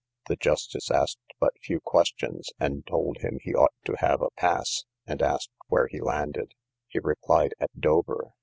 The justice asked but few questions, and told him he ought to have a pass, and asked where he landed. He replied, at Dover.